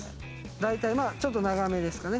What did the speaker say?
大体まあちょっと長めですかね。